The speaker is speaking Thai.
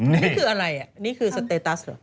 นี่คืออะไรนี่คือสเตตัสเหรอ